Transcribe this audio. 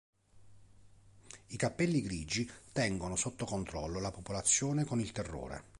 I cappelli grigi tengono sotto controllo la popolazione con il terrore.